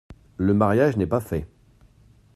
Le mariage n’est pas fait !